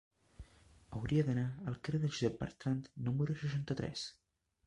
Hauria d'anar al carrer de Josep Bertrand número seixanta-tres.